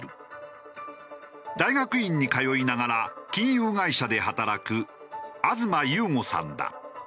大学院に通いながら金融会社で働く東優悟さんだ。